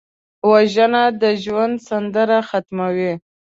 وژنه د ژوند سندره ختموي